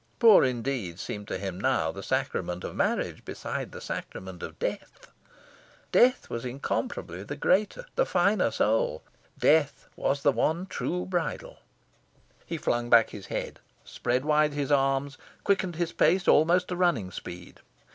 Poor indeed seemed to him now the sacrament of marriage beside the sacrament of death. Death was incomparably the greater, the finer soul. Death was the one true bridal. He flung back his head, spread wide his arms, quickened his pace almost to running speed.